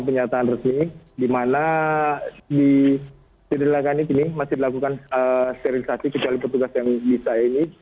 pemerintah sendiri belum menyatakan memberikan pernyataan resmi di mana di ledakan ini masih dilakukan sterilisasi kecuali petugas yang bisa ini